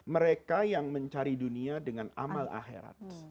mereka yang mencari dunia dengan amal akhirat